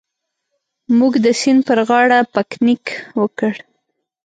موږ د سیند پر غاړه پکنیک وکړ.